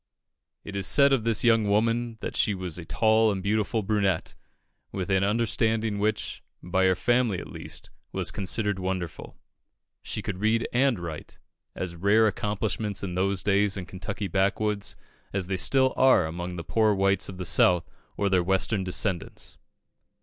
It is said of this young woman that she was a tall and beautiful brunette, with an understanding which, by her family at least, was considered wonderful. She could read and write as rare accomplishments in those days in Kentucky backwoods as they still are among the poor whites of the South or their Western descendants.